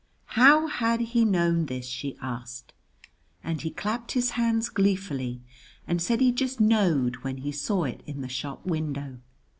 How had he known this, she asked, and he clapped his hands gleefully, and said he just knowed when he saw it in the shop window.